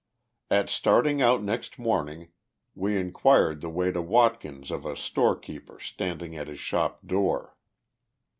At starting out next morning, we inquired the way to Watkins of a storekeeper standing at his shop door.